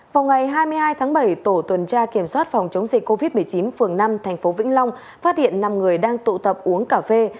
vào ngày hai mươi hai tháng bảy tổ tuần tra kiểm soát phòng chống dịch covid một mươi chín phường năm tp vĩnh long phát hiện năm người đang tụ tập uống cà phê